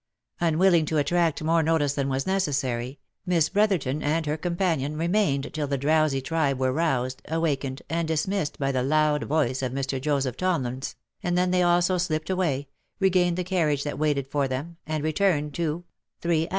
Unwilling to attract more notice than was necessary, Miss Bro therton and her companion remained till the drowsy tribe were roused, awakened, and dismissed by the loud voice of Mr. Joseph Tomlins, and then they also slipped away, regained the carriage that waited for them, and returned to .